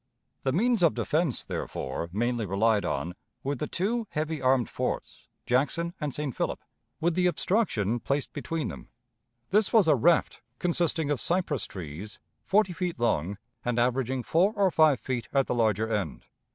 The means of defense, therefore, mainly relied on were the two heavy armed forts, Jackson and St. Philip, with the obstruction placed between them: this was a raft consisting of cypress trees, forty feet long, and averaging four or five feet at the larger end.